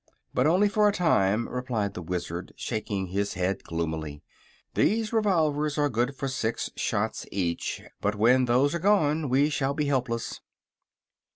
"But only for a time," replied the Wizard, shaking his head gloomily. "These revolvers are good for six shots each, but when those are gone we shall be helpless."